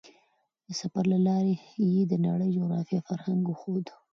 د سفر له لارې یې د نړۍ جغرافیه او فرهنګ وښود.